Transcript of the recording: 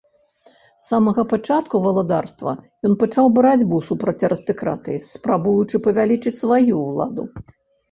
З самага пачатку валадарства, ён пачаў барацьбу супраць арыстакратыі, спрабуючы павялічыць сваю ўладу.